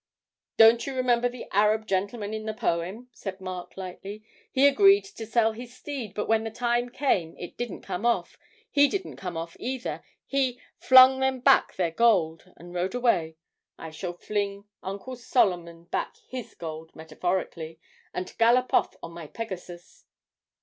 'Don't you remember the Arab gentleman in the poem?' said Mark lightly. 'He agreed to sell his steed, but when the time came it didn't come off he didn't come off, either he "flung them back their gold," and rode away. I shall fling Uncle Solomon back his gold, metaphorically, and gallop off on my Pegasus.'